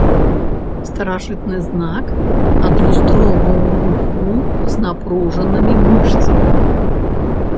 Старажытны знак адлюстроўваў руку з напружанымі мышцамі.